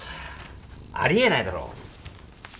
ありえないだろ。